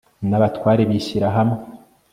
n'abatware bishyira hamwe